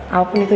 awal pun itu ya